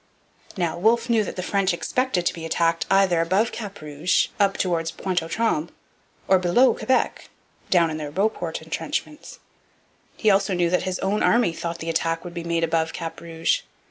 Now, Wolfe knew that the French expected to be attacked either above Cap Rouge (up towards Pointe aux Trembles) or below Quebec (down in their Beauport entrenchments). He also knew that his own army thought the attack would be made above Cap Rouge.